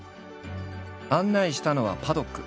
案内したのはパドック。